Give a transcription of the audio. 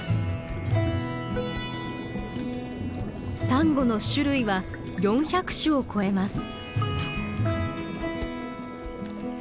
サンゴの種類は４００種を超えます。